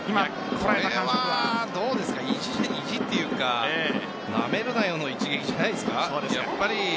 どうですか、意地というかなめるなよの一撃じゃないですか。